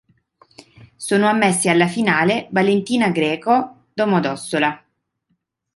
Sono ammessi alla finale: Valentina Greco, Domodossola.